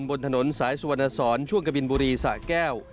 บนถนนสายสุวรรณสอนช่วงกะบินบุรีสะแก้ว